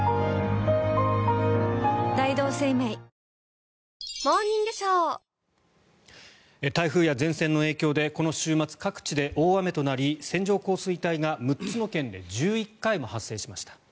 損保ジャパン台風や前線の影響でこの週末、各地で大雨となり線状降水帯が６つの県で１１回も発生しました。